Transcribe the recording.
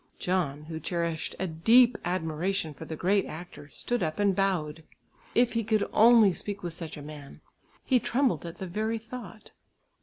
John, who cherished a deep admiration for the great actor, stood up and bowed. If he could only speak with such a man. He trembled at the very thought.